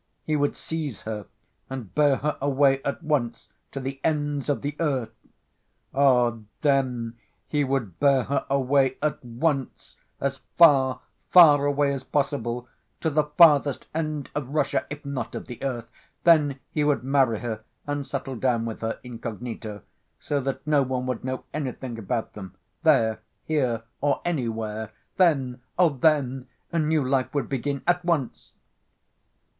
He would seize her and bear her away at once to the ends of the earth. Oh, then he would bear her away at once, as far, far away as possible; to the farthest end of Russia, if not of the earth, then he would marry her, and settle down with her incognito, so that no one would know anything about them, there, here, or anywhere. Then, oh, then, a new life would begin at once!